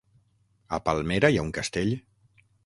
A Palmera hi ha un castell?